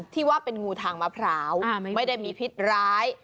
ที่ว่าเป็นงูทางมะพร้าวไม่ได้มีพิษร้าย